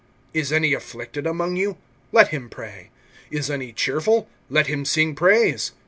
(13)Is any afflicted among you, let him pray. Is any cheerful, let him sing praise.